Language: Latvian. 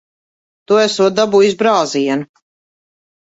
Tu esot dabūjis brāzienu.